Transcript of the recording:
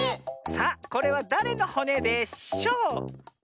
さあこれはだれのほねでしょう？